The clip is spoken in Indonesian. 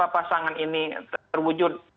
pasangan ini terwujud